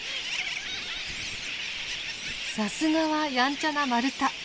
さすがはやんちゃなマルタ